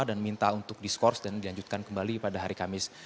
minta untuk diskors dan dilanjutkan kembali pada hari kamis